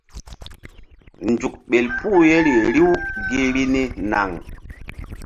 Nzuk ɓel puh yeri riw gi vbi ni naŋ.